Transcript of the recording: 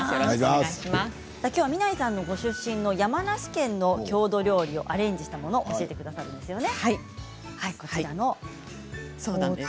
きょうはみないさんの出身地山梨県の郷土料理をアレンジしたものを教えてくださるんですね。